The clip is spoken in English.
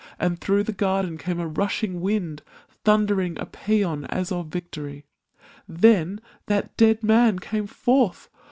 And through the garden came a rushing wind Thundering a paeon as of victory. Then that dead man came forth